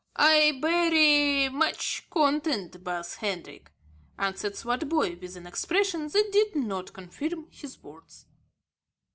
"I berry much content, Baas Hendrik," answered Swartboy, with an expression that did not confirm his words.